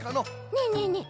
ねえねえねえ